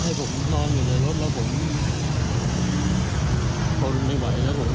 ให้ผมนอนอยู่ในรถแล้วผมพนไม่ไหวแล้วผมก็เล็งออกมา